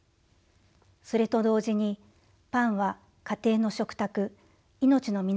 それと同時にパンは家庭の食卓命の源の象徴です。